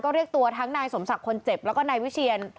เรียกตัวทั้งนายสมศักดิ์คนเจ็บแล้วก็นายวิเชียน